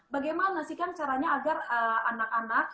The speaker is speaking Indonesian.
bagaimana sih kan caranya agar anak anak